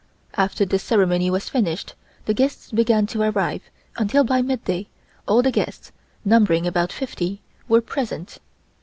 After this ceremony was finished, the guests began to arrive, until by midday, all the guests, numbering about fifty, were present.